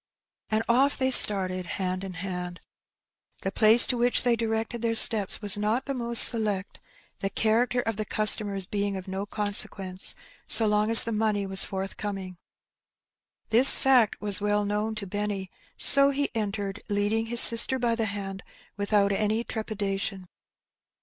And oflF they started, hand in hand. The place to which they directed their steps was not the most select, the character of the customers being of no consequence, so long as the money •was forthcoming. This fact was well known to Benny, so he entered, leading his sister by the hand, without any trepida tion.